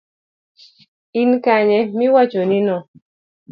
In kanye miwachonino?